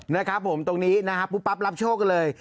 นะครับผมตรงนี้นะครับปุ๊บปั๊บรับโชคกันเลย